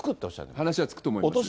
話はつくと思います。